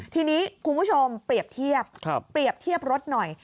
ทีนี้คุณผู้ชมเปรียบเทียบเปรียบเทียบรถหน่อย